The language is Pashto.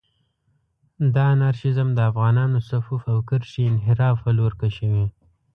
دا انارشېزم د افغانانانو صفوف او کرښې انحراف پر لور کشوي.